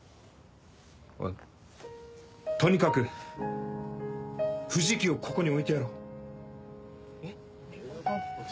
あとにかく藤木をここに置いてやろう。